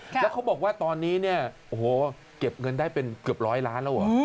แล้วเขาบอกว่าตอนนี้เนี่ยโอ้โหเก็บเงินได้เป็นเกือบร้อยล้านแล้วเหรอ